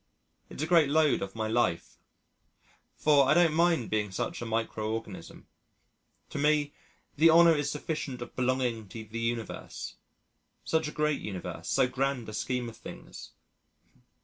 It's a great load off my life, for I don't mind being such a micro organism to me the honour is sufficient of belonging to the universe such a great universe, so grand a scheme of things.